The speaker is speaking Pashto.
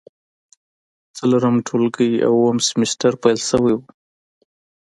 څلورم ټولګی او اووم سمستر پیل شوی و.